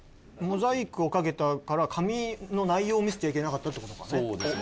モザイクをかけたから紙の内容を見せちゃいけなかったって事かね。